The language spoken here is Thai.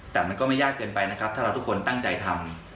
แต่มันก็ไม่ยากเกินไปนะครับถ้าเราทุกคนตั้งใจทำ